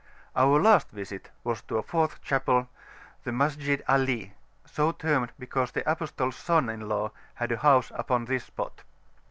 Our last visit was to a fourth chapel, the Masjid Ali, so termed because the Apostle's son in law had a house upon this spot.